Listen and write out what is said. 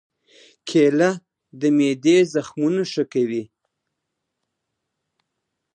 کېله د معدې زخمونه ښه کوي.